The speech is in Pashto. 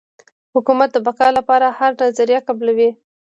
حکومت د بقا لپاره هره نظریه قبلوي.